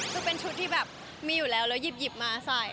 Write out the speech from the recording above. คือเป็นชุดที่แบบมีอยู่แล้วแล้วหยิบมาใส่